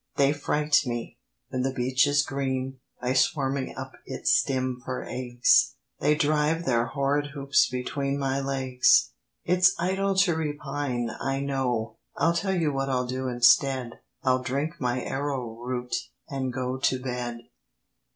They fright me, when the beech is green, By swarming up its stem for eggs: They drive their horrid hoops between My legs:— It's idle to repine, I know; I'll tell you what I'll do instead: I'll drink my arrowroot, and go To bed.